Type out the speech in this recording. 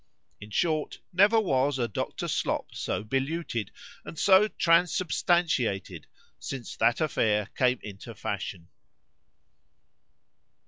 In short, never was a Dr. Slop so beluted, and so transubstantiated, since that affair came into fashion.